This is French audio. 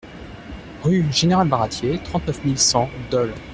Rue Général Baratier, trente-neuf mille cent Dole